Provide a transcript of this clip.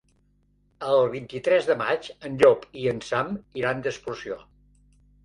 El vint-i-tres de maig en Llop i en Sam iran d'excursió.